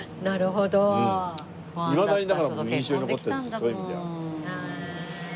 なるほどな。